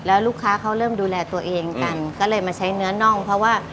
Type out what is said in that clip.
แล้วลูกค้าเขาเริ่มดูแลตัวเองกันก็เลยมาใช้เนื้อน่องเพราะว่า